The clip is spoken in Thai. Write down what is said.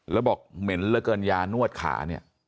แล้วบอกเหม็นเหลือเกินยานวดขาเนี่ย